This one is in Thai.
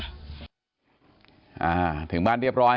ปลาส้มกลับมาถึงบ้านโอ้โหดีใจมาก